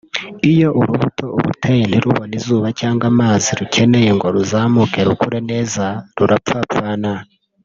Iyo urubuto uruteye ntirubone izuba cyangwa amazi rukeneye ngo ruzamuke rukure neza rurapfapfana